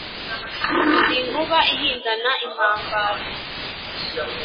Ndi Nkuba ihindana impambara